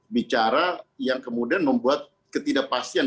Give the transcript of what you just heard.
bicara yang kemudian membuat ketidakpastian